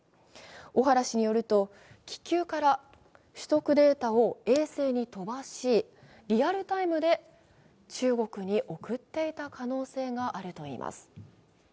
小原氏によると、気球から取得データを衛星に飛ばしリアルタイムで中国に送っていた可能性があるといいます。